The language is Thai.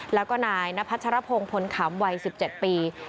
แล้วก็นายนพัชรพงศ์พลขำวัย๑๗ปี